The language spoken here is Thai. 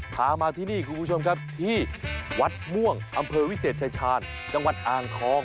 พามาที่นี่คุณผู้ชมครับที่วัดม่วงอำเภอวิเศษชายชาญจังหวัดอ่างทอง